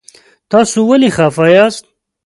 تاسو ولې خفه یاست؟